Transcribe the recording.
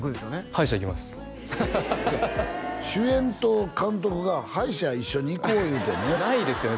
歯医者行きます主演と監督が歯医者一緒に行こういうてねないですよね